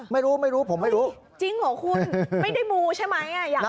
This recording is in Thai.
ไม่รู้ผมไม่รู้จริงเหรอคุณไม่ได้มูใช่ไหมอยากรู้